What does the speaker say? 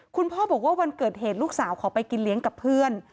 คุณพ่อบอกว่าวันเกิดเหตุลูกสาวขอไปกินเลี้ยงกับเพื่อน